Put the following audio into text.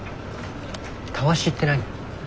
たわしって何？